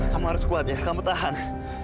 kamu harus kuat ya kamu tahan